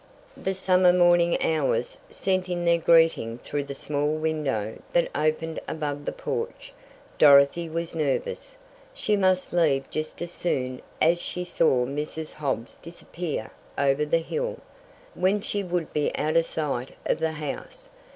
The summer morning hours sent in their greeting through the small window that opened above the porch. Dorothy was nervous, she must leave just as soon as she saw Mrs. Hobbs disappear over the hill, when she would be out of the sight of the house.